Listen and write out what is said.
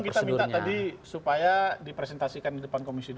kita minta tadi supaya dipresentasikan di depan komisi dua